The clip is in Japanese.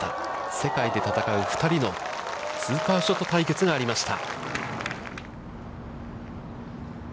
世界で戦う２人のスーパーショット対決がありました。